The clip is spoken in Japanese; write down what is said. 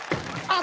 あ！